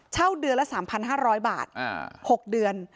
เช่าเดือนละ๓๕๐๐บาท๖เดือน